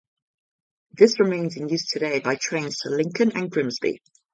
This remains in use today by trains to Lincoln and Grimsby.